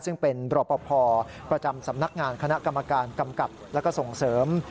ซึ่งเป็นรอปภประจำสำนักงานคณะกรรมการกำกับแล้วก็ส่งเสริม